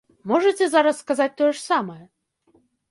Можаце зараз сказаць тое ж самае?